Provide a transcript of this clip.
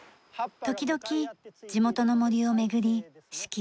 時々地元の森を巡り四季